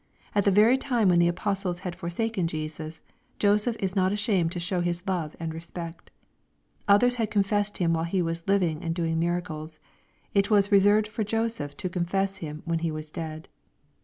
At the very time when the apostles had forsaken Jesus, Juseph is not ashamed to show his love and respect. Others had confessed Him while He was living and doing miracles. It was reserved for Joseph to confess Him when He was dead.